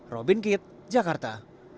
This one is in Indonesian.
robin kitt jakarta